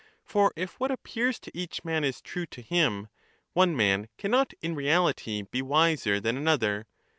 For if what appears to each man is true to him, one man cannot in reality be wiser than another.